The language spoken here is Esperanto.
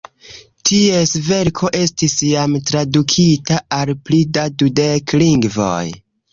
Ties verko estis jam tradukita al pli da dudek lingvoj.